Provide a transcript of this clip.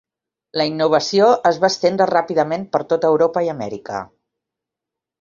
La innovació es va estendre ràpidament per tota Europa i Amèrica.